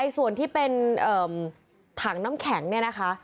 ส่วนที่เป็นถังน้ำแข็งเนี่ยนะคะ